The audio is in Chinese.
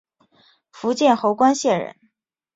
福建侯官县人。